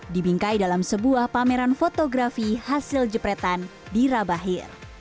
dibingkai dalam sebuah pameran fotografi hasil jepretan di rabahir